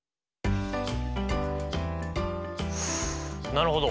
なるほど。